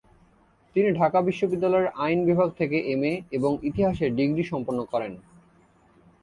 তিনি ঢাকা বিশ্ববিদ্যালয়ের আইন বিভাগ থেকে এমএ এবং ইতিহাসে ডিগ্রী সম্পন্ন করেন।